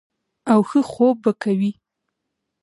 او ښۀ خوب به کوي -